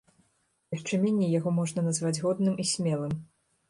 Яшчэ меней яго можна назваць годным і смелым.